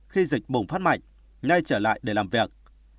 khi dịch bùng phát mạnh ngay trở lại để làm việc